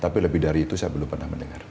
tapi lebih dari itu saya belum pernah mendengar